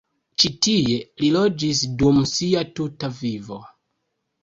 Ĉi tie li loĝis dum sia tuta vivo.